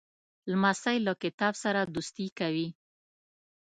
لمسی له کتاب سره دوستي کوي.